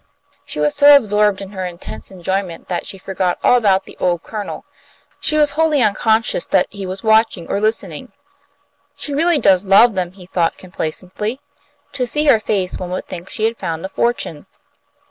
She was so absorbed in her intense enjoyment that she forgot all about the old Colonel. She was wholly unconscious that he was watching or listening. "She really does love them," he thought, complacently. "To see her face one would think she had found a fortune."